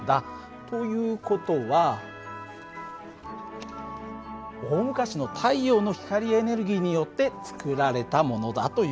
という事は大昔の太陽の光エネルギーによって作られたものだという事なんだよ。